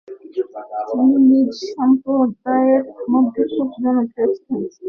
তিনি নিজ সম্প্রদায়ের মধ্যে খুব জনপ্রিয় ছিলেন।